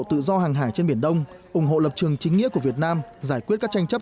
tự do hàng hải trên biển đông ủng hộ lập trường chính nghĩa của việt nam giải quyết các tranh chấp